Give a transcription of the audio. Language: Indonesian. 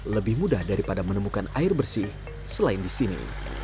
lebih mudah daripada menemukan air bersih selain di sini